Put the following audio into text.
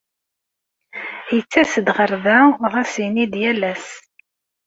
Yettas-d ɣer da, ɣas ini-d yal ass.